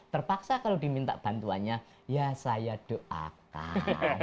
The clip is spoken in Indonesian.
terpaksa kalau diminta bantuannya ya saya doakan